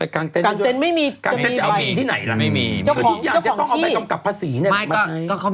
กางเต้นจะเอาทิศอยู่ที่ไหนหรอไม่มีคือทุกอย่ายังต้องเอาไปกำกับภาษี